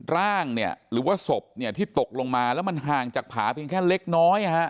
ร่างเนี่ยหรือว่าศพเนี่ยที่ตกลงมาแล้วมันห่างจากผาเพียงแค่เล็กน้อย